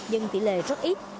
nhưng tỷ lệ rất ít